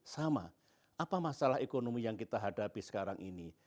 sama apa masalah ekonomi yang kita hadapi sekarang ini